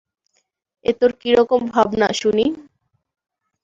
এ তোর কীরকম ভাবনা শুনি?